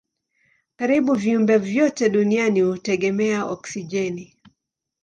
Karibu viumbe vyote duniani hutegemea oksijeni.